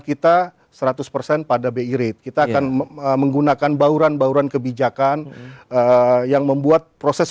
kita seratus persen pada bi rate kita akan menggunakan bauran bauran kebijakan yang membuat proses